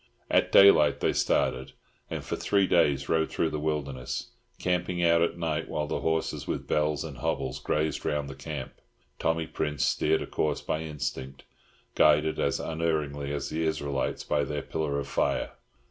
At daylight they started, and for three days rode through the wilderness, camping out at night, while the horses with bells and hobbles grazed round the camp. Tommy Prince steered a course by instinct, guided as unerringly as the Israelites by their pillar of fire.